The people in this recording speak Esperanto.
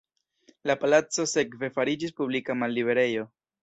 La palaco sekve fariĝis publika malliberejo.